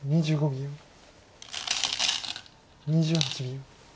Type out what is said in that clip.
２８秒。